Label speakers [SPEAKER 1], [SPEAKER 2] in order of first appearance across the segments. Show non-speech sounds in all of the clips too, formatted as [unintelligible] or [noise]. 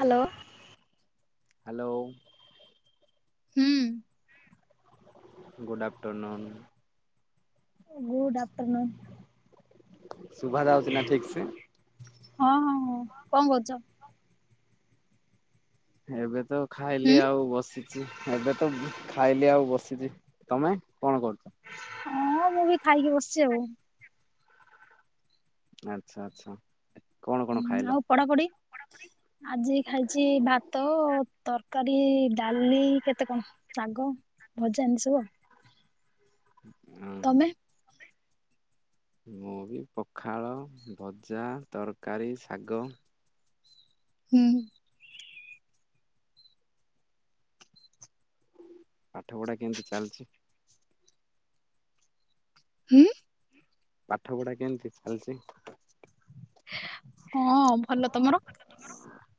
[SPEAKER 1] Hello. ହୁଁ।
[SPEAKER 2] Good afternoon.
[SPEAKER 1] Good afternoon.
[SPEAKER 2] ଶୁଭା ଯାଉଚି ନା ଠିକ ସେ?
[SPEAKER 1] ହଁ ହଁ ହଁ କଣ କରୁଚ?
[SPEAKER 2] ଏବେ ତ ଖାଇଲି
[SPEAKER 1] ହୁଁ।
[SPEAKER 2] ଆଉ ବସିଚି ଏବେ ତ ଖାଇ ଲି ଆଉ ବସିଚି ତମେ କଣ କରୁଚ?
[SPEAKER 1] ହଁ ମୁଁ ବି ଖାଇକି ବସିଚି ଆଉ।
[SPEAKER 2] ଆଚ୍ଛା ଆଚ୍ଛା। କଣ କଣ
[SPEAKER 1] ହୁଁ
[SPEAKER 2] ଖାଇଲ?
[SPEAKER 1] ଆଉ ପଢାପଢି? ଆଜି ଖାଇଚି ଭାତ ତରକାରୀ ଡାଲି କେତେ କଣ। ଶାଗ ଭଜା ଏମିତି ସବୁ ଆଉ।
[SPEAKER 2] ହୁଁ।
[SPEAKER 1] ତମେ?
[SPEAKER 2] ମୁଁ ବି ପଖାଳ ଭଜା ତରକାରୀ ଶାଗ।
[SPEAKER 1] ହୁଁ।
[SPEAKER 2] ପାଠପଢ଼ା କେମିତି ଚାଲିଚି?
[SPEAKER 1] ହୁଁ?
[SPEAKER 2] ପାଠ ପଢା କେମିତି ଚାଲିଚି?
[SPEAKER 1] ହଁ ଭଲ ତମର?
[SPEAKER 2] [inaudible]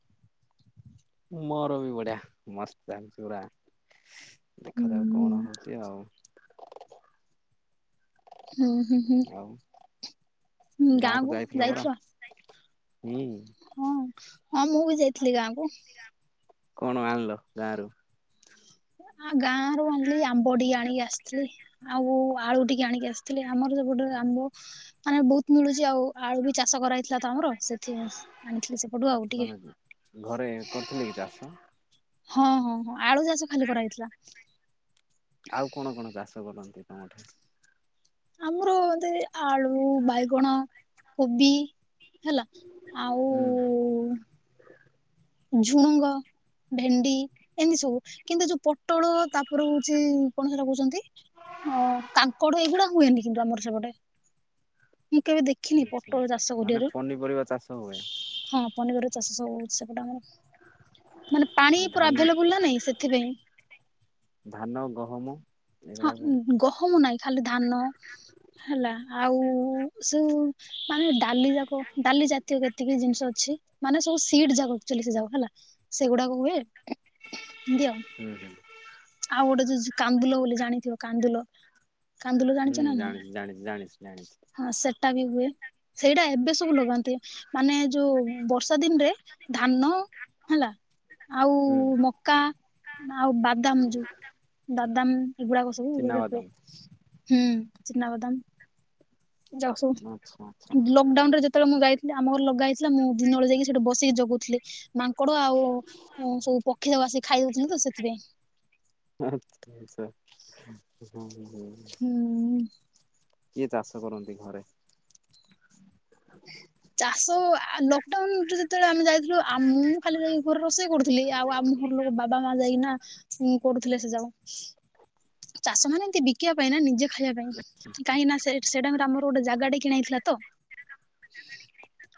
[SPEAKER 2] ମୋର ବି ବଢିଆ ମସ୍ତ ଚାଲଚି ପୁରା
[SPEAKER 1] ହୁଁ
[SPEAKER 2] ଦେଖା ଯାଉ କଣ ହଉଚି ଆଉ।
[SPEAKER 1] ହୁଁ ହୁଁ ହୁଁ।
[SPEAKER 2] ଆଉ ଗାଁକୁ ଯାଇଥିଲ ପରା ହୁଁ।
[SPEAKER 1] ହଁ ହଁ ମୁଁ ବି ଯାଇଥିଲି ଗାଁକୁ।
[SPEAKER 2] କଣ ଆଣିଲ ଗାଁ ରୁ?
[SPEAKER 1] ଆ ଗାଁ ରୁ ଆଣିଲି ଆମ୍ବ ଟିକେ ଆଣିକି ଆସ ଆସିଥିଲି ଆଉ ଆଳୁ ଟିକେ ଆଣିକି ଆସିଥିଲି ଆମର ସେପଟରେ ଆମ୍ବ ମାନେ ବହୁତ ମିଳୁଚି ଆଉ ଆଳୁ ବି ଚାଷ କରା ହେଇଥିଲା ତ ଆମର ସେଥିପାଇଁ ଆଣିଥିଲି ସେପଟୁ ଆଉ ଟିକେ।
[SPEAKER 2] ତମେ ଘରେ [unintelligible]
[SPEAKER 1] ହଁ ହଁ ହଁ ଆଳୁ ଚାଷ ଖାଲି କରାହେଇଥିଲା।
[SPEAKER 2] ଆଉ କଣ କଣ ଚାଷ କରନ୍ତି ତମଠେ?
[SPEAKER 1] ଆମର ଏ ବୋଧେ, ଆଳୁ, ବାଇଗଣ, କୋବି। ହେଲା ଆଉ
[SPEAKER 2] ହୁଁ।
[SPEAKER 1] ଝୁଡୁଙ୍ଗ। ଭେଣ୍ଡି ଏମିତି ସବୁ କିନ୍ତୁ ଯୋଉ ପୋଟଳ ତାପରେ ହଉଛି କଣ ସେଇଟା କହୁଛନ୍ତି? ହଁ କାଙ୍କଡ ଏଇଗୁଡା ହୁଏନି କିନ୍ତୁ ଆମର ସେପଟେ ମୁଁ କେବେ ଦେ
[SPEAKER 2] ଆଛା ମାନେ ପନିପରିବା ଚାଷ ହୁଏ।
[SPEAKER 1] ହଁ ପନିପରିବା ଚାଷ ସବୁ ହଉ ସେପଟେ ଆମର। ମାନେ ପାଣି
[SPEAKER 2] ଆଉ
[SPEAKER 1] ପୁରା
[SPEAKER 2] ଧାନ
[SPEAKER 1] ଆଭେଲେବୁଲ ନା ନାଇଁ ସେଥିପାଇଁ।
[SPEAKER 2] ଧାନ, ଗହମ। ଏଗୁଡାକୁ
[SPEAKER 1] ହଁ ଗହମ ନାହିଁ ଖାଲି ଧାନ। ହେଲା ଆଉ ସେଇ ମାନେ ଡାଲି ଯାକ ଡାଲି ଜାତୀୟ ଯେତିକି ଜିନିଷ ଅଛି। ମାନେ ସବୁ ସିଟ ଯାକ ସେ ଯାକ ହେଲା ସେଗୁଡାକ ହୁଏ ଏମିତି ଆଉ।
[SPEAKER 2] [unintelligible]
[SPEAKER 1] ଆଉ ଗୋଟେ ଯୋଉ କାନ୍ଦୁଲ ବୋଲି ଜାଣିଥିବ କାନ୍ଦୁଲ? କାନ୍ଦୁଲ
[SPEAKER 2] ହୁଁ
[SPEAKER 1] ଜାଣିଛ ନା ନାଇଁ
[SPEAKER 2] ଜାଣିଛି ଜାଣିଛି ଜାଣିଛି ଜାଣିଛି।
[SPEAKER 1] ହଁ ସେଟା ବି ହୁଏ ସେଇଟା ଏବେ ସବୁ ଲଗାନ୍ତି ମାନେ ଯୋଉ ବର୍ଷା ଦିନରେ ଧାନ ହେଲା ଆଉ
[SPEAKER 2] ହୁଁ।
[SPEAKER 1] ମ କା ଆଉ ବାଦାମ ଯୋଉ ବାଦାମ ଏଗୁଡାକ ସବୁ
[SPEAKER 2] ଚିନାବାଦାମ
[SPEAKER 1] ହୁଏ। ହୁଁ ଚିନାବାଦାମ ଏ
[SPEAKER 2] ଆଚ୍ଛା ଆଚ୍ଛା
[SPEAKER 1] ଯାକସବୁ ଲକଡାଉନ ଯେତବେଳେ ମୁଁ ଯାଇଥିଲି ଆମ ଘର ଲଗା ହେଇଥିଲା ମୁଁ ଦିନବେଳେ ଯାଇକି ସେଠ ବସିକି ଜଗୁଥିଲି ମା କଡ଼ ଆଉ ସବୁ ପକ୍ଷୀ ଯାକ ଆସିକି ଖାଇଦଉଥିଲେ ତ ସେଥିପାଇଁ।
[SPEAKER 2] [unintelligible]
[SPEAKER 1] ହୁଁ।
[SPEAKER 2] କିଏ ଚାଷ କରନ୍ତି ଘରେ?
[SPEAKER 1] ଚାଷ ଲକଡାଉନରେ ଯେତେବେଳେ ଆମେ ଯାଇଥିଲୁ ଆମ ଖାଲି ଯାଇକି ଘରେ ରୋଷେଇ କରୁଥିଲି ଆଉ ଆମ ଘର ଲୋକ ବାବା ମା ଯାଇକିନା କରୁଥିଲେ ସେ ଯାକ ଚାଷ ମାନ ଏମତି ବିକିବା ପାଇଁ ନା ନିଜେ ଖାଇବା ପାଇଁ କାହିଁକି ନା ସେ ସେଟା ଆମର ଗୋଟେ ଜାଗାଟେ କିଣା ହେଇଥିଲା ତ?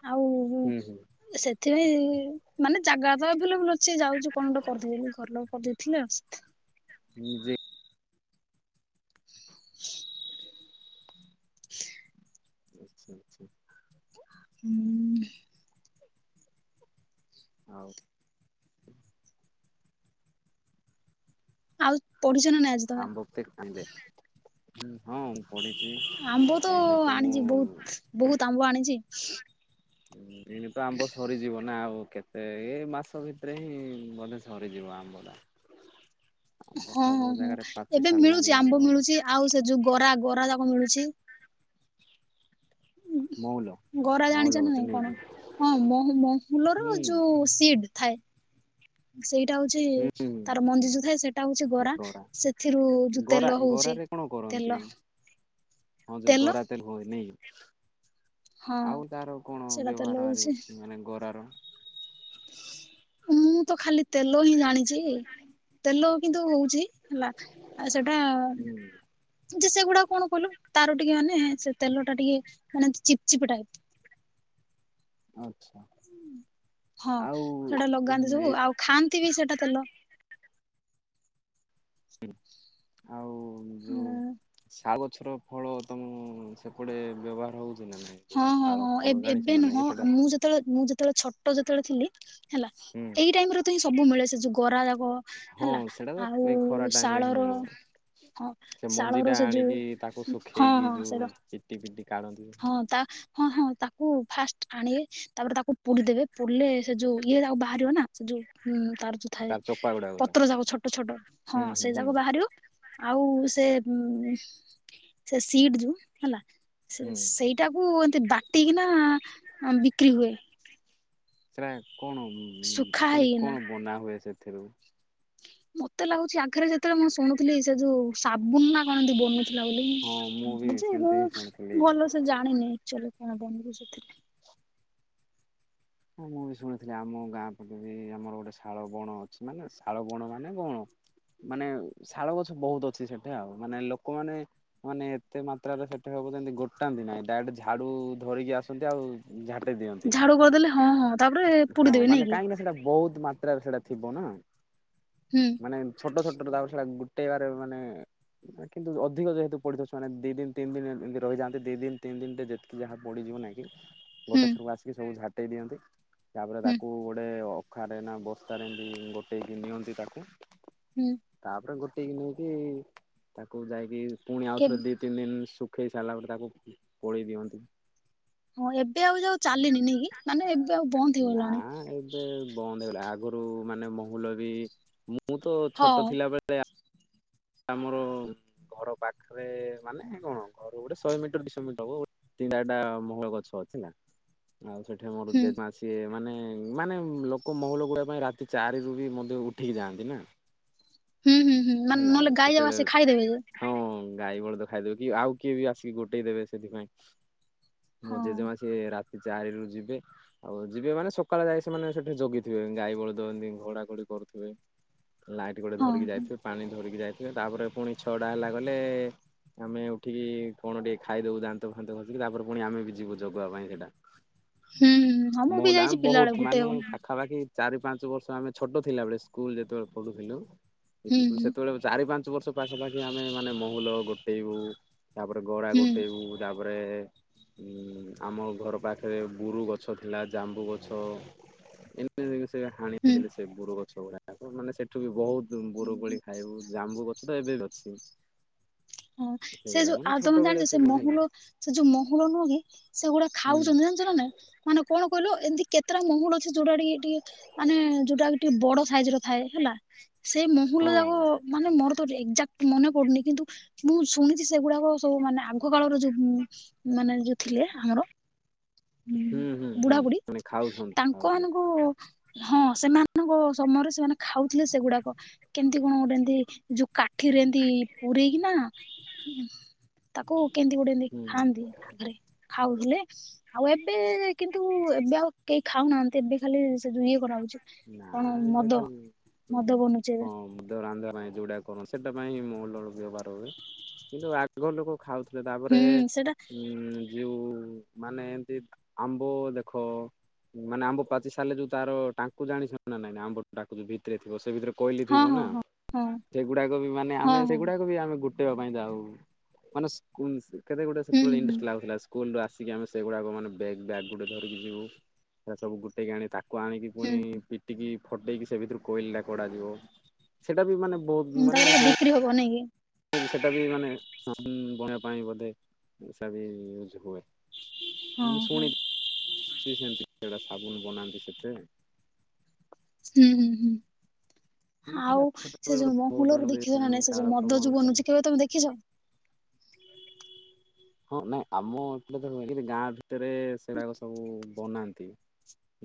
[SPEAKER 1] ଆଉ
[SPEAKER 2] ହୁଁ ହୁଁ।
[SPEAKER 1] ସେଥିପାଇଁ ମାନେ ଜାଗା ତ ଏଭଲେବୁଲ ଅ ସେ ଯାଉଛି କଣ ଗୋତେ କରିଦେଇ ଘର ଲୋକ କରିଦେଇଥିଲେ ଆଉ।
[SPEAKER 2] ହଁ ଯେ ଆଚ୍ଛା ଆଚ୍ଛା।
[SPEAKER 1] ହୁଁ।
[SPEAKER 2] ଆଉ
[SPEAKER 1] ଆଉ ପଢୁଚ ନା ଆ
[SPEAKER 2] [unintelligible] ପଢିଛି
[SPEAKER 1] ଆମ୍ବ
[SPEAKER 2] ଏଲେ ତ
[SPEAKER 1] ଆଣିଛି
[SPEAKER 2] ମୁଁ
[SPEAKER 1] ବହୁତ ବହୁତ ଆମ୍ବ ଆଣିଛି।
[SPEAKER 2] ଏଣ ତ ଆମ୍ବ ସରିଯିବ ନା ଆଉ କେତେ ସେ ଏଇ ମାସ ଭିତରେ ହିଁ ବୋଧେ ସରିଯିବ ଆମ୍ବଟା। ଆମ ତ
[SPEAKER 1] ହଁ
[SPEAKER 2] ସବୁ
[SPEAKER 1] ହଁ ହଁ
[SPEAKER 2] ଜାଗାରେ ପାଚି
[SPEAKER 1] ଏବେ
[SPEAKER 2] ସାରିଲାଣି
[SPEAKER 1] ମିଳୁଛି
[SPEAKER 2] ଆମ
[SPEAKER 1] ଆମ୍ବ ମିଳୁଛି ଆଉ ସେ ଯୋଉ ଗରା ଗରା ଯାକ ମିଳୁଛି।
[SPEAKER 2] ମଉଲ
[SPEAKER 1] ଗରା ଜାଣିଛ
[SPEAKER 2] ମଉଲ
[SPEAKER 1] ନା ନାଇଁ
[SPEAKER 2] ଗଛ
[SPEAKER 1] କଣ?
[SPEAKER 2] ନାଇକି?
[SPEAKER 1] ହଁ ମ-ମହୁଲ ର ଯୋଉ ସିଡ ଥାଏ ସେଇଟା ହଉଛି ତାର
[SPEAKER 2] ହୁଁ
[SPEAKER 1] ମଞ୍ଜି ଯୋଉ ଥାଏ ସେଇଟା ହଉଛି ଗରା। ସେଥିରୁ ଜୋଉ
[SPEAKER 2] ଗରା
[SPEAKER 1] ତେଲ ହଉଛି
[SPEAKER 2] ଗରାରେ କଣ
[SPEAKER 1] ତେଲ
[SPEAKER 2] କରନ୍ତି ହଁ ଯୋଉ ଗରା ତେଲ ହୁଏ ନାଇ କି!
[SPEAKER 1] ହଁ
[SPEAKER 2] ଆଉ ତାର କଣ
[SPEAKER 1] ସେଟା ତେଲ
[SPEAKER 2] ବ୍ୟବହାର ହାରି
[SPEAKER 1] ହଉଛି
[SPEAKER 2] ଅଛି ମାନେ ଗରାର?
[SPEAKER 1] ମୁଁ ତ ଖାଲି ତେଲ ହିଁ ଜାଣି ଯେ ତେଲ କିନ୍ତୁ ହଉଛି ହେଲା ଆ ସେଟା
[SPEAKER 2] ହୁଁ
[SPEAKER 1] ଯେ ସେଗୁଡାକ କଣ କହିଲୁ ତାର ଟିକେ ମାନେ ସେ ତେଲ ଟା ଟିକେ ମାନେ ଚିପ ଚିପ୍ ଟାଇପ
[SPEAKER 2] ଆଚ୍ଛା।
[SPEAKER 1] ହଁ
[SPEAKER 2] ଆଉ
[SPEAKER 1] ସେଟା ଲଗାନ୍ତି
[SPEAKER 2] ଏ
[SPEAKER 1] ସବୁ ଆଉ ଖାଆନ୍ତି ବି ସେଟା ତେଲ।
[SPEAKER 2] ଆଉ
[SPEAKER 1] ହଁ
[SPEAKER 2] ଯୋଉ ସା ଗଛର ଫଳ ତମ ସେପଟେ ବ୍ୟବହାର ହଉ
[SPEAKER 1] ହଁ ହଁ ହଁ ଏବ-ଏବେ
[SPEAKER 2] କି
[SPEAKER 1] ନୁହଁ
[SPEAKER 2] ସେଟା?
[SPEAKER 1] ଆ ମୁଁ ଯେତେବେଳେ ମୁଁ ଯେତେବେଳେ ଛୋଟ ଯେତେବେଳେ ଥିଲି ହେଲା
[SPEAKER 2] ହୁଁ
[SPEAKER 1] ଏଇ ଟାଇମରେ ତ ହିଁ ସବୁ ମିଳେ ସେ ଯୋଉ ଗରା ଯାକ
[SPEAKER 2] ହଁ
[SPEAKER 1] ହେଲା
[SPEAKER 2] ସେଇଟା ତ
[SPEAKER 1] ଆଉ
[SPEAKER 2] ଏଇ ଖରା ଟାଇମ ରେ ହିଁ
[SPEAKER 1] ଶାଳର
[SPEAKER 2] ମିଳିବ।
[SPEAKER 1] ହଁ
[SPEAKER 2] ସେ ମଞ୍ଜି
[SPEAKER 1] ଶାଳର
[SPEAKER 2] ଟା
[SPEAKER 1] ସେ ଯୋଉ
[SPEAKER 2] ଆଣିକି ତାକୁ
[SPEAKER 1] ହଁ
[SPEAKER 2] ଶୁଖେଇକି
[SPEAKER 1] ହଁ ସେଇଟା
[SPEAKER 2] ଯୋଉ ପିଟି ପିଟି କାଢନ୍ତି।
[SPEAKER 1] ହଁ ତା ହଁ ହଁ ତାକୁ ଫାଷ୍ଟ ଆଣବେ ତାପରେ ତାକୁ ପୁଡିଦେବେ ପୁଡିଲେ ସେ ଯୋଉ ଇଏ ତାକୁ ବାହାରିବ ନା ସେ ଯୋଉଁ ତାର ଯୋ ଥାଏ
[SPEAKER 2] ଚୋପା ଗୁଡାକ
[SPEAKER 1] ପତ୍ର ଯାକ ଛୋଟ ଛୋଟ ହଁ
[SPEAKER 2] ହୁଁ ହୁଁ
[SPEAKER 1] ସେ
[SPEAKER 2] ହୁଁ
[SPEAKER 1] ଯାକ ବାହାରିବ ଆଉ ସେ ମ୍ ସେ ସିଡ ଯୋଉ ହେଲା ସେ
[SPEAKER 2] ହୁଁ।
[SPEAKER 1] ସେଇଟାକୁ ଏମିତି ବାଟିକିନା ବିକ୍ରି ହୁଏ।
[SPEAKER 2] ସେଟା କଣ
[SPEAKER 1] ଶୁଖା
[SPEAKER 2] ମାନେ
[SPEAKER 1] ହେଇକିନା।
[SPEAKER 2] କଣ ବନା ହୁଏ ସେଥିରୁ?
[SPEAKER 1] ମତେ ଲାଗୁଛି ଆଗରେ ଯେତେବେଳେ ମୁଁ ଶୁଣୁଥିଲି ସେ ଯୋଉ ସାବୁନା ନା କଣ ଏତି ବନୁ
[SPEAKER 2] ହଁ ମୁଁ
[SPEAKER 1] ଥିଲାବୋଲି
[SPEAKER 2] ବି
[SPEAKER 1] ଥିଲି ଯେ
[SPEAKER 2] ସେମିତି ହିଁ
[SPEAKER 1] ଏବଂ
[SPEAKER 2] ଶୁଣିଥିଲି।
[SPEAKER 1] ଭଲ ସେ ଜାଣିନି ଆଚୁଆଲି କଣ ବନିବ ସେଥିରେ।
[SPEAKER 2] ହଁ ମୁଁ ବି ଶୁଣିଥିଲି ଆମ ଗାଁ ପଟେ ବି ଆମର ଗୋଟେ ଶାଳ ବଣ ଅଛି ମାନେ ଶାଳ ବଣ ମାନେ ବଣ। ମାନେ ଶାଳ ଗଛ ବହୁତ ଅଛି ସେଠେ ଆଉ ମାନେ ଲୋକମାନେ ମାନେ ଏତେ ମାତ୍ରାରେ ସେଠେ ହବ ଯେତି ଗୋଟାନ୍ତି ନାହିଁ ଡାଇକ୍ଟ ଝାଡୁ ଧରିକି ଆସନ୍ତି ଆଉ ଝାଟି ଦିଅ
[SPEAKER 1] ଝାଡୁ କରିଦେଲେ ହଁ ହଁ ତାପରେ
[SPEAKER 2] ହଁ
[SPEAKER 1] ପୋଡିଦେବେ ନାଇଁ
[SPEAKER 2] ମାନେ
[SPEAKER 1] କି
[SPEAKER 2] କାହିଁକି ନା ସେଟା ବହୁତ ମାତ୍ରାରେ ସେଟା ଥିବ ନା,
[SPEAKER 1] ହୁଁ।
[SPEAKER 2] ମାନେ ଛୋଟ ଛୋଟ ତାପରେ ସେଟା ଗୋଟେବାରେ ମାନେ ନା କିନ୍ତୁ ଅଧିକ ଯେହେତୁ ପଡିଥାଏ ସେମାନେ ଦି ଦିନ ତିନ ଦିନ ଏମିତି ରହିଯାଆନ୍ତି ଦି ଦିନ ତିନ ଦିନ ରେ ଯେତିକି ଯାହା ପଡିଯିବ ନାଇଁ କି
[SPEAKER 1] ହୁଁ
[SPEAKER 2] ଗୋଟେ ଥରକୁ ଆସିକି ସବୁ ଝାଟେଇ ଦିଅନ୍ତି ତାପରେ
[SPEAKER 1] ହୁଁ
[SPEAKER 2] ତାକୁ ଗୋଟେ ଅ ଖାରେ ନା ବସ୍ତାରେ ଏମିତି ଗୋଟେଇକି ନିଅନ୍ତି ତାକୁ।
[SPEAKER 1] ହୁଁ।
[SPEAKER 2] ତାପରେ ଗୋଟେକ ନେଇକି ତାକୁ ଯାଇକି ପୁଣି
[SPEAKER 1] ଏବ୍
[SPEAKER 2] ଆଉଥରେ ଦି ତିନି ଦିନ ଶୁଖେଇ ସାରିଲା ପରେ ତାକୁ ପୋଳେଇ ଦିଅନ୍ତି।
[SPEAKER 1] ହଁ ଏବେ ଆଉ ଯୋଉ ଚାଲିନି ନାଇ କି? ମାନେ ଏବେ ଆଉ ବନ୍ଦ
[SPEAKER 2] ନା
[SPEAKER 1] ହେଇଗଲାଣି।
[SPEAKER 2] ଏବେ ବନ୍ଦ ହେଇଗଲା ଆଗରୁ ମାନେ ମହୁଲ ବି ମୁଁ ତ
[SPEAKER 1] ହଁ
[SPEAKER 2] ଛୋଟ ଥିଲାବେଳେ ଆମର ଘର ପାଖରେ ମାନେ କଣ ଘର ଗୋଟେ ଶହେ ମିଟର ଦୁଇଶହ ମିଟର ହବ ତିନି ଟା ମହୁଲ ଗଛ ଅଛି ହେଲା, ଆଉ ସେଠି ମୋର
[SPEAKER 1] ହୁଁ
[SPEAKER 2] ଜେଜେ ମା ଅଛ ସିଏ ମାନେ ମାନେ ଲୋକ ମହୁଲ ଗୋହିବା ପାଇଁ ରାତି ଚାରିରୁ ବି ମଧ୍ୟ ଉଠିକି ଯାଆନ୍ତି ନା,
[SPEAKER 1] ହୁଁ ହୁଁ ହୁଁ ମାନେ
[SPEAKER 2] ହେଲା
[SPEAKER 1] ନହେଲେ ଗାଈ ଯାକ ଆସି
[SPEAKER 2] ସେତେବେଳେ
[SPEAKER 1] ଖାଇଦେବେ ଯେ।
[SPEAKER 2] ହଁ ଗାଈ ବଳଦ ଖାଇଦେବେ କି ଆଉ କିଏ ବି ଆସିକି ଗୋଟେଇ ଦେବେ ସେଥିପାଇଁ। ମୋ
[SPEAKER 1] ହଁ
[SPEAKER 2] ଜେଜେମା ସିଏ ରାତି ଚାରିରୁ ଯିବେ। ଆଉ ଯିବେ ମାନେ ସକାଳେ ଯାଇ ସେମାନେ ସେଠି ଜଗିଥିବେ ଗାଈ ବଳଦ ଏନ୍ତି ଘଉଡା ଘଉଡି କରୁଥିବେ। ଲାଇଟ୍ ଗୋଟେ ଧରିକି
[SPEAKER 1] ହଁ।
[SPEAKER 2] ଯାଇଥିବେ ପାଣି ଧରିକି ଯାଇଥିବେ ତାପରେ ପୁଣି ଛଅଟା ହେଲା ଗଲେ ଆମେ ଉଠିକି କଣ ଟିକେ ଖାଇଦବୁ ଦାନ୍ତ ଫାନ୍ତ ଖସିକି ତାପରେ ପୁଣି ଆମେ ବି ଯିବୁ ଜଗିବା ପାଇଁ ସେଇଟା।
[SPEAKER 1] ହୁଁ ହୁଁ ହଁ ମୁଁ ବି
[SPEAKER 2] ମଉଲା
[SPEAKER 1] ଯାଇଛି ପିଲାବେଳେ
[SPEAKER 2] ବହୁତ
[SPEAKER 1] ଗୋଟେ
[SPEAKER 2] ମାନେ
[SPEAKER 1] ହୁଁ
[SPEAKER 2] ପାଖାପାଖି ଚାରି ପାଞ୍ଚ ବର୍ଷ ଆମେ ଛୋଟ ଥିଲାବେଳେ ସ୍କୁଲ ଯେତେବେଳେ ପଢୁଥିଲୁ
[SPEAKER 1] ହୁଁ
[SPEAKER 2] ୟୁପି ସ୍କୁଲ ସେତେବେଳେ ଚାରି ପାଞ୍ଚ ବର୍ଷ ପାଖା ପାାଖି ଆମେ ମାନେ ମହୁଲ ଗୋଟେଇବୁ ତାପରେ ଗରା
[SPEAKER 1] ହୁଁ
[SPEAKER 2] ଗୋଟେଇବୁ ତାପରେ ଉ ଆମ ଘର ପାଖରେ ବୁରୁ ଗଛ ଥିଲା ଜାମ୍ବୁ ଗଛ ଏ ଜିନ୍ତିକି ସେ ହାଣି
[SPEAKER 1] ହୁଁ।
[SPEAKER 2] ଦେଲେ ସେ ବୁରୁ ଗଛ ଗୁରାକୁ ମାନେ ସେଠୁ ବି ବହୁତବୁରୁ ଖାଇବୁ ଜାମ୍ବୁଗଛ ତ ଏବେ ବି ଅଛି।
[SPEAKER 1] ହଁ ସେ
[SPEAKER 2] ସେଗୁଡା
[SPEAKER 1] ଯୋଉ
[SPEAKER 2] ମାନେ ଛୋଟ
[SPEAKER 1] ଆଦମ
[SPEAKER 2] ବେଳେ
[SPEAKER 1] ଜାଣିଛ ସେ
[SPEAKER 2] ଯୋଉ ଥିଲା
[SPEAKER 1] ମହୁଲ ସେ ଯୋଉ ମହୁଳ ନୁହଁ କି ସେଗୁଡା
[SPEAKER 2] ହୁଁ
[SPEAKER 1] ଖାଉଛନ୍ତି ଜାଣିଛ ନା ନାଇଁ? ମାନେ କଣ କହିଲୁ ଏମିତି କେତେଟା ମହୁଲ ଅଛି ଯଉଟା ଟିକେ ଟିକେ ମାନେ ଯୋଉଟା କି ଟିକେ ବଡ ସାଇଜ ର ଥାଏ ହେଲା। ସେ ମହୁଲ
[SPEAKER 2] ହଁ
[SPEAKER 1] ଯାକ ମାନେ ମୋର ତ ଏଜାକ୍ଟ ମନେ ପଡୁନି କିନ୍ତୁ ମୁଁ ଶୁଣିଛି ସେଗୁଡାକ ସବୁ ମାନେ ଆଗ କାଳର ଯୋଉ ମାନେ ଯଉ ଥିଲେ ଆମର ଉ
[SPEAKER 2] ହୁଁ ହୁଁ ହୁଁ
[SPEAKER 1] ବୁଢା ବୁଢୀ
[SPEAKER 2] ମାନେ ଖାଉଛନ୍ତି
[SPEAKER 1] ତାଙ୍କ
[SPEAKER 2] ଖାଉଥିଲେ
[SPEAKER 1] ମାନଙ୍କୁ ହଁ ସେମାନଙ୍କ ସମୟରେ ସେମାନେ ଖାଉଥିଲେ ସେଗୁଡାକ କେମିତି କଣ ଗୋଟେ ଏମତି ଯୋଉ କାଠିରେ ଏନ୍ତି ପୂରେଇକି ନା ତାକୁ କେମତି ଗୁଟେ ନେଇକି
[SPEAKER 2] ହୁଁ
[SPEAKER 1] ଖାଆନ୍ତି ଆଗରେ ଖାଉଥିଲେ ଆଉ ଏବେ କିନ୍ତୁ ଏବେ ଆଉ କେହି ଖାଉନାହାନ୍ତି ଏବେ ଖାଲି ସେଥୁରୁ ଇଏ କରାହଉଛି
[SPEAKER 2] ନା
[SPEAKER 1] କଣ
[SPEAKER 2] ଏବେ
[SPEAKER 1] ମଦ
[SPEAKER 2] ଖାଲି
[SPEAKER 1] ମଦ ବନୁଛି ଏବେ।
[SPEAKER 2] ହଁ ମୁଦ ରାନ୍ଧିବା ପାଇଁ ଯୋଉଡା କଣ ସେଟା ପାଇଁ ମହୁଲର ବ୍ୟବହାର ହୁଏ କିନ୍ତୁ ଆଗ ଲୋକ ଖାଉଥିଲେ
[SPEAKER 1] ହୁଁ
[SPEAKER 2] ତାପରେ
[SPEAKER 1] ସେଟା
[SPEAKER 2] ଉଁ ଯଉ ମାନେ ଏମତି ଆମ୍ବ ଦେଖ ମାନେ ଆମ୍ବ ପାଚି ସାରିଲେ ଯୋଉ ତାର ଟାଙ୍କୁ ଜାଣିଛନ୍ତିନା ନାଇଁ ଆମ୍ବର ଟାକୁ ଯୋଉ ଭିତରେ ଥିବ ସେ ଭିତରେ କୋଇଲି
[SPEAKER 1] ହଁ
[SPEAKER 2] ଥିବ ନା
[SPEAKER 1] ହଁ ହଁ
[SPEAKER 2] ସେଗୁଡାକ ବି ମାନେ
[SPEAKER 1] ହଁ
[SPEAKER 2] ଆମେ
[SPEAKER 1] ହଁ ହଁ
[SPEAKER 2] ସେଗୁଡାକ ବି ଆମେ ଗୁ ଗୋଟାଇବା ପାଇଁ ଯାଉ ମାନେ ସ୍କୁଲ
[SPEAKER 1] ହୁଁ
[SPEAKER 2] ସେତେବେଳେ
[SPEAKER 1] ହୁଁ
[SPEAKER 2] ଇନଷ୍ଟ ଲାଗୁଥିଲା। ସ୍କୁଲରୁ ଆସିକି ଆମେ ସେଗୁଡାକ ମାନେ ବେଗ ବ୍ୟାଗ୍ ଗୋଟେ ଧରିକି ଯିବୁ ସେରା ସବୁ ଗୁଟେଇକି ଆଣି ତାକୁ କୁ ଆଣିକି
[SPEAKER 1] ହୁଁ
[SPEAKER 2] ପୁଣି ପିଟିକି ଫଟେଇକି ସେ ଭିତରୁ କୋଇଲଟା କଢା ଯିବ ସେଇଟା ବି ମାନେ ବହୁତ ମାନେ ମୁଁ
[SPEAKER 1] ତାପରେ ବିକ୍ରି ହବ ନାଇଁ କି?
[SPEAKER 2] ସେଟା ବି ମାନେ ସାବୁନ ବନେଇବା ପାଇଁ ବୋଧେ ସେଇଟା ବି ୟୁଜ ହୁଏ।
[SPEAKER 1] ହଁ ହଁ।
[SPEAKER 2] ଯିଏ ସେମିତି ସେଟା ସାବୁନ ବନାନ୍ତି ସେଥେରେ।
[SPEAKER 1] ହୁଁ ହୁଁ ହୁଁ। ଆଉ ସେ
[SPEAKER 2] ଛୋଟବେଳେ ଗୋଟେ
[SPEAKER 1] ଯୋଉ
[SPEAKER 2] ବହୁତ
[SPEAKER 1] ମହୁଲରୁ
[SPEAKER 2] ଆନନ୍ଦ
[SPEAKER 1] ଦେଖିଛ ନା ନାଇଁ ସେ ଯୋଉ
[SPEAKER 2] କାଳକ୍ରମ
[SPEAKER 1] ମଦ ଯୋଉ
[SPEAKER 2] ଅନୁସାରେ
[SPEAKER 1] ବନୁଛି କେବେ ତମେ ଦେଖିଛ?
[SPEAKER 2] ହଁ ନାଇଁ ଆମ ଏପେଟତ ହୁଏନି କିନ୍ତୁ ଗାଁ ଭିତରେ ସେଡ଼ାକ ସବୁ ବନାନ୍ତି।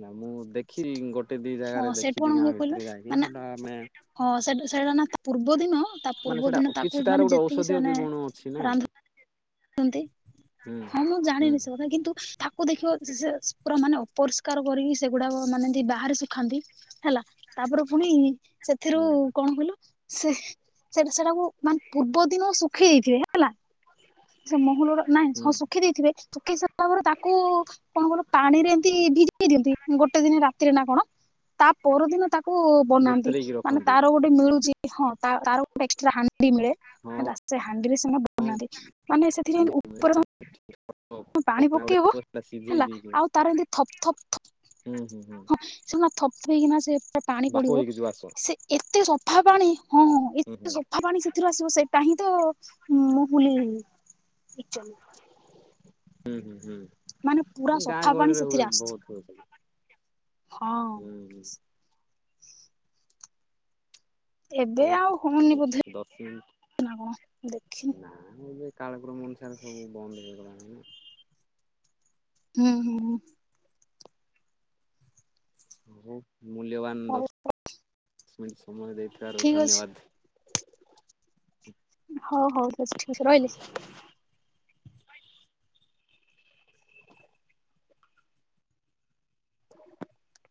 [SPEAKER 2] ନା ମୁଁ ଦେଖିନି ଗୋଟେ ଦି
[SPEAKER 1] ହଁ
[SPEAKER 2] ଜାଗାରେ
[SPEAKER 1] ସେଠି କଣ
[SPEAKER 2] ଦେଖିଛି ଗାଁ
[SPEAKER 1] ହୁଏ କହିଲ
[SPEAKER 2] ଭିତରେ ଯାଇକି
[SPEAKER 1] ମାନେ
[SPEAKER 2] ସେଟା ଆମେ
[SPEAKER 1] ହଁ ସେଟା ସେଇଟା ନା ତା ପୂର୍ବ ଦିନ ତା
[SPEAKER 2] ମାନେ
[SPEAKER 1] ପୂର୍ବ
[SPEAKER 2] ସେଟା
[SPEAKER 1] ଦିନ
[SPEAKER 2] କିଛି
[SPEAKER 1] ତାକୁ
[SPEAKER 2] ତାର
[SPEAKER 1] ମାନେ
[SPEAKER 2] ଗୋଟେ
[SPEAKER 1] ଯେତିକି
[SPEAKER 2] ଔଷଧୀୟ ବି
[SPEAKER 1] ସେମାନେ
[SPEAKER 2] ଗୁଣ ଅଛି ନା
[SPEAKER 1] ରାନ୍ଧୁ
[SPEAKER 2] ହୁଁ।
[SPEAKER 1] ହଁ ମୁଁ
[SPEAKER 2] ହୁଁ
[SPEAKER 1] ଜାଣିନି ସେ କଥା କିନ୍ତୁ ତାକୁ ଦେଖିବ ସେ ପୁରା ମାନେ ଅପରିଷ୍କାର କରିକି ସେଗୁଡାକ ମାନେ ଏମିତି ବାହାରେ ଶୁଖାନ୍ତି। ହେଲା ତାପରେ ପୁଣି ସେଥିରୁ
[SPEAKER 2] ହୁଁ
[SPEAKER 1] କଣ କହିଲ ସେ ସେଟା ସେଟା ମୁଁ ମାନେ ପୂର୍ବ ଦିନ ଶୁଖେଇ ଦେଇଥିବି। ହେଲା? ସେ ମହୁଲ ର ନାଇଁ
[SPEAKER 2] ହୁଁ
[SPEAKER 1] ହଁ ଶୁଖେଇ ଦେଇଥିବେ। ଶୁଖେଇ ତାପରେ ତାକୁ କଣ ଗୋଟେ ପାଣିରେ ଏମିତି ଭିଜେଇ ଦିଅନ୍ତି। ଗୋଟେ ଦିନ ରାତିରେ ନା କଣ? ତା ପରଦିନ ତାକୁ ବନାନ୍ତି।
[SPEAKER 2] ବତୁରେଇକି
[SPEAKER 1] ମାନେ
[SPEAKER 2] ରଖନ୍ତି
[SPEAKER 1] ତାର ଗୋଟେ ମିଳୁଛି। ହଁ ତାର ଗୋଟେ ଏକ୍ସଟ୍ରା ହା ଣ୍ଡି ମିଳେ।
[SPEAKER 2] ହଁ।
[SPEAKER 1] ହେଲା ସେ ହାଣ୍ଡିରେ ସେମାନେ ବନାନ୍ତି। ମାନେ ସେଥିରେ ଉପର
[SPEAKER 2] [inaudible]
[SPEAKER 1] ହଁ ପାଣି ପକେଇବ।
[SPEAKER 2] ସେଟା
[SPEAKER 1] ହେଲା?
[SPEAKER 2] ସିଝେଇକି
[SPEAKER 1] ଆଉ ତାର ଏମିତି ଥପ୍ ଥପ୍ ଥପ୍
[SPEAKER 2] ହୁଁ ହୁଁ ହୁଁ
[SPEAKER 1] ସେନା ଥପ ହେଇକିନା ସେଥିରେ ପାଣି
[SPEAKER 2] ବାପ
[SPEAKER 1] ପଡ଼ିବ।
[SPEAKER 2] ହେଇକି ଯୋଉ ଆସ
[SPEAKER 1] ସେ ଏତେ ସଫା ପାଣି। ହଁ ହଁ
[SPEAKER 2] ହୁଁ ହୁଁ
[SPEAKER 1] ଏତେ ସଫା ପାଣି ସେଥିରୁ ଆସିବ। ସେଇଟା ହିଁ ତ ମହୁଲିି [unintelligible]
[SPEAKER 2] ହୁଁ ହୁଁ
[SPEAKER 1] ମାନେ ପୁରା
[SPEAKER 2] ହୁଁ ଗାଁ
[SPEAKER 1] ସଫା ପାଣି
[SPEAKER 2] ଗହଳିରେ
[SPEAKER 1] ସେଥିରେ
[SPEAKER 2] ହୁଏ
[SPEAKER 1] ଆସୁଛି
[SPEAKER 2] ବହୁତ ହୁଏ
[SPEAKER 1] ହଁ
[SPEAKER 2] ସେଠି। ହୁଁ ହୁଁ। ହଉ
[SPEAKER 1] ଏବେ ଆଉ ହଉନି
[SPEAKER 2] ଠିକ
[SPEAKER 1] ବୋଧେ
[SPEAKER 2] ଅଛି ଦଶ
[SPEAKER 1] ନା କଣ ଦେଖିନି
[SPEAKER 2] ମିନିଟ। ନା ମୁଁ ଏବେ କାଳକ୍ରମ ଅନୁସାରେ ସବୁ ବନ୍ଦ ହେଇଗଲାଣି
[SPEAKER 1] ହୁଁ ହୁଁ
[SPEAKER 2] ହଉ ମୂଲ୍ୟବାନ
[SPEAKER 1] ହଉ
[SPEAKER 2] ଦଶ [inaudible] ମିନିଟ୍ ସମୟ ଦେଇଥିବାରୁ
[SPEAKER 1] ଠିକ ଅଛି
[SPEAKER 2] ଧନ୍ୟବାଦ।
[SPEAKER 1] ହଉ ହଉ ବାସ୍ ଠିକ୍ ଅଛି। ରହିଲି?
[SPEAKER 2] [inaudible]